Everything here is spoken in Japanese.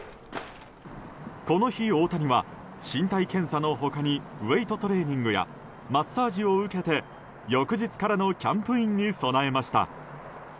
この日、大谷は身体検査の他にウェートトレーニングやマッサージを受けて、翌日からのキャンプインに備えました。